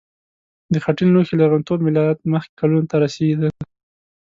د خټین لوښي لرغونتوب میلاد مخکې کلونو ته رسیده.